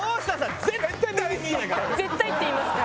「絶対」って言いますか？